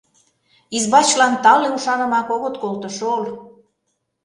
— Избачлан тале ушанымак огыт колто шол.